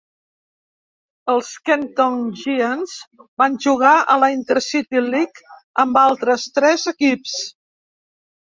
Els Kenton Giants van jugar a la Inter-City League amb altres tres equips.